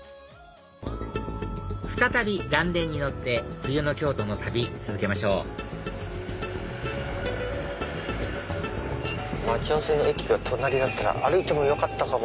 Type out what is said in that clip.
再び嵐電に乗って冬の京都の旅続けましょう待ち合わせの駅が隣だったら歩いてもよかったかも。